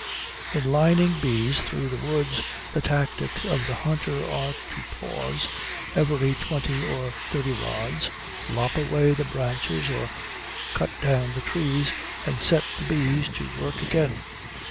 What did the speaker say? In lining bees through the woods the tactics of the hunter are to pause every twenty or thirty rods, lop away the branches or cut down the trees, and set the bees to work again.